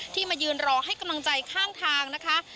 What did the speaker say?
มายืนรอให้กำลังใจข้างทางนะคะ